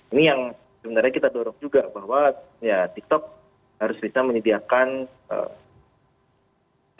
ini yang sebenarnya kita dorong juga bahwa ya tiktok harus bisa menyediakan